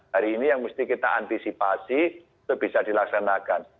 hari ini yang mesti kita antisipasi itu bisa dilaksanakan